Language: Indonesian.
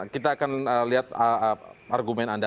kita akan lihat argumen anda